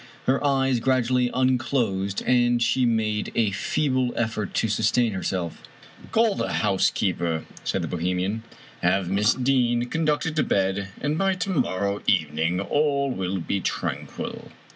Her eyes gradually unclosed, and she made a feeble effort to sustain herself. " Call the housekeeper," said the Bohemian ;" have Miss 42 Fitjsjatnes O'Brien Deane conducted to bed, and by to morrow evening all will be tranquil."